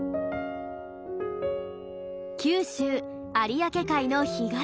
九州有明海の干潟。